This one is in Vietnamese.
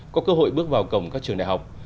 có cơ hội bước vào cổng các trường đại học